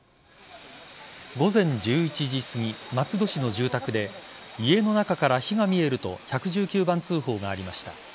午前１１時すぎ、松戸市の住宅で家の中から火が見えると１１９番通報がありました。